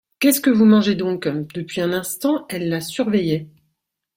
Qu'est-ce que vous mangez donc ? Depuis un instant, elle la surveillait.